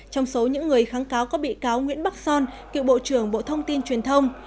trong số những người kháng cáo có bị cáo nguyễn bắc son cựu bộ trưởng bộ thông tin truyền thông